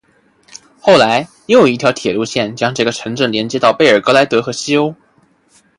后来又有一条铁路线将这个城镇连接到贝尔格莱德和西欧。